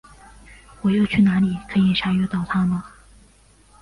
我又去哪里可以查阅到它呢？